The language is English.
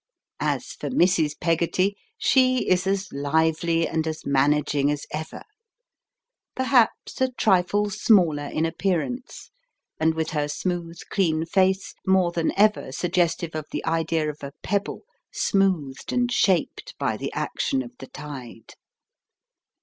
As for Mrs. Peggotty, she is as lively and as "managing" as ever perhaps a trifle smaller in appearance, and with her smooth clean face more than ever suggestive of the idea of a pebble smoothed and shaped by the action of the tide.